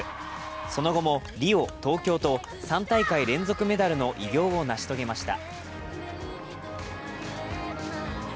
その後もリオ、東京と３大会連続メダルの偉業を成し遂げました。